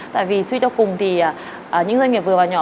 tại vì suy cho cùng thì những doanh nghiệp vừa và nhỏ